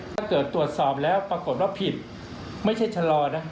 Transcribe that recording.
ตรวจสอบแล้วปรากฏว่าผิดไม่ใช่ชะลอนะ